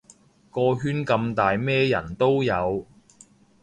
個圈咁大咩人都有